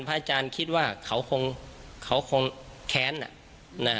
พระอาจารย์คิดว่าเขาคงแค้น